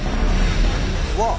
うわっ！